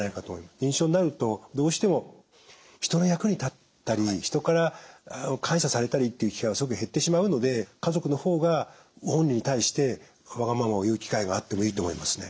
認知症になるとどうしても人の役に立ったり人から感謝されたりっていう機会はすごく減ってしまうので家族の方がご本人に対してわがままを言う機会があってもいいと思いますね。